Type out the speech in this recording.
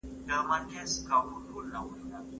دوی به د ارادې د پیاوړتیا لپاره سخت کارونه ترسره کول.